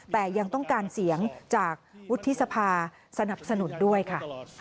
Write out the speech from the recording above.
แต่ยังต้องการเสียงจากวุฒิสภาสนับสนุนด้วยค่ะ